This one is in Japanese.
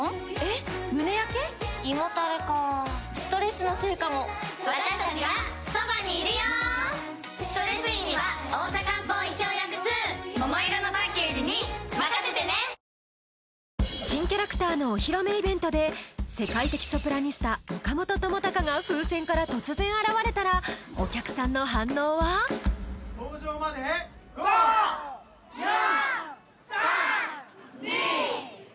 スペシャル新キャラクターのお披露目イベントで世界的ソプラニスタ岡本知高が風船から突然現れたらお客さんの反応は登場までイエイフォ！